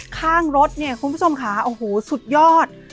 ข้างรถเนี่ยคุณผู้ชมค่ะโอ้โหสุดยอด